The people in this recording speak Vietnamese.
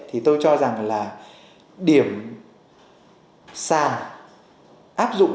thì tôi cho rằng là điểm sàn